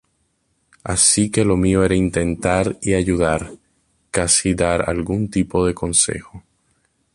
Así que lo mío era intentar y ayudar, casi dar algún tipo de consejo.